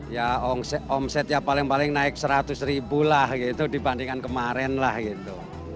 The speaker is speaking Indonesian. ya omset ya paling paling naik seratus ribu lah gitu dibandingkan kemarin lah gitu